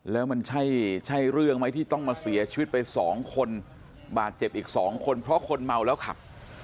แล้วมันใช่เรื่องไหมที่ต้องมาเสียชีวิตไปสองคนบาดเจ็บอีก๒คนเพราะคนเมาแล้วขับ